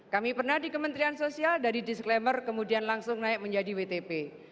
kami pernah di kementerian sosial dari disclaimer kemudian langsung naik menjadi wtp